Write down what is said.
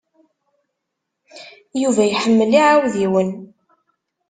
Yuba iḥemmel iɛewdiwen.